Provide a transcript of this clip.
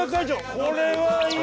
これはいい！